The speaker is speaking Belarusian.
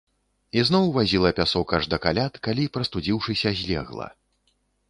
І зноў вазіла пясок аж да каляд, калі, прастудзіўшыся, злегла.